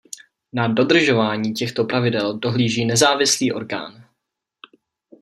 Na dodržování těchto pravidel dohlíží nezávislý orgán.